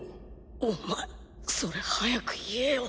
お前それ早く言えよ。